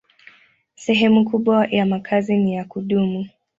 Sehemu kubwa ya makazi ni ya kudumu.